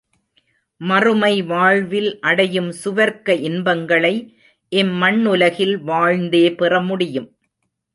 மறுமை வாழ்வில் அடையும் சுவர்க்க இன்பங்களை இம் மண்ணுலகில் வாழ்ந்தே பெறமுடியும்.